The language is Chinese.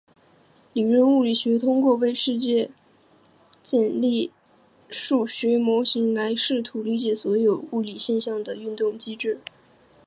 理论物理学通过为现实世界建立数学模型来试图理解所有物理现象的运行机制。